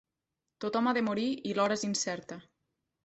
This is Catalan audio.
Tothom ha de morir i l'hora és incerta.